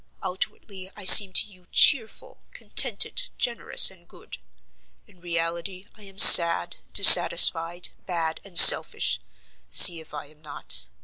Outwardly I seem to you 'cheerful, contented, generous, and good.' In reality I am sad, dissatisfied, bad, and selfish: see if I'm not.